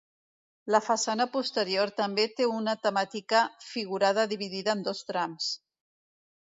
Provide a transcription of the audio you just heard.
La façana posterior també té una temàtica figurada dividida en dos trams.